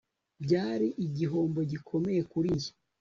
Byari igihombo gikomeye kuri njye